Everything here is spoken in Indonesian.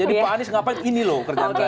jadi pak anies ngapain ini loh kerjaan saya